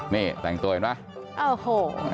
นี่แต่งตัวเห็นป่ะ